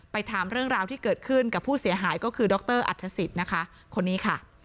ถามเรื่องราวที่เกิดขึ้นกับผู้เสียหายก็คือดรอัฐศิษย์นะคะคนนี้ค่ะ